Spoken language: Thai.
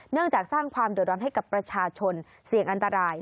เนื่องจากสร้างความโดยร้อยให้กับประชาชนเสี่ยงอันตราย